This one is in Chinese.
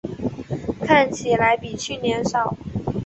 看起来比去年少